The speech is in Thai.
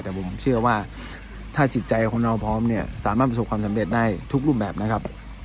แต่ผมเชื่อว่าถ้าจิตใจของเราพร้อมเนี่ยสามารถประสบความสำเร็จได้ทุกรูปแบบนะครับ